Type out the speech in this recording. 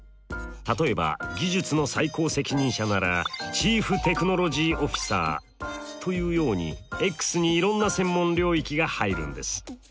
例えば技術の最高責任者ならチーフテクノロジーオフィサーというようにｘにいろんな専門領域が入るんです。